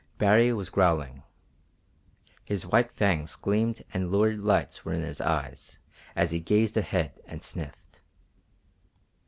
Baree was growling. His white fangs gleamed and lurid lights were in his eyes as he gazed ahead and sniffed.